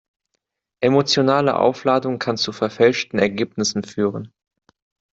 Emotionale Aufladung kann zu verfälschten Ergebnissen führen.